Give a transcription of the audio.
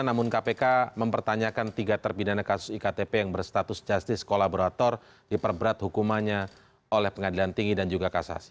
namun kpk mempertanyakan tiga terpidana kasus iktp yang berstatus justice kolaborator diperberat hukumannya oleh pengadilan tinggi dan juga kasasi